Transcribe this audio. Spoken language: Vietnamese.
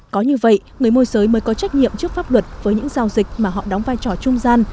có như vậy người môi giới mới có trách nhiệm trước pháp luật với những giao dịch mà họ đóng vai trò trung gian